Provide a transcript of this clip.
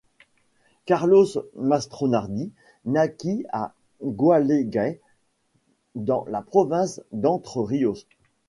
Carlos Mastronardi naquit à Gualeguay dans la Province d'Entre Ríos.